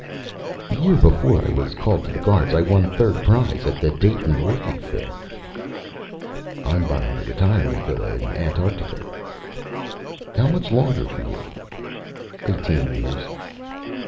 "The year before I was called to the Guards, I won third prize at the Dayton Orchid Fair." "I'm buying a retirement villa in Antarctica." "How much longer for you?" "Eighteen years."